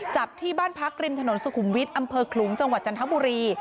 จับที่บ้านพักริมถนนสุขุมวิทย์อำเภอขลุงจังหวัดจันทบุรี